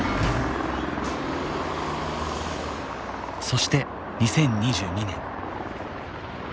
そして２０２２年。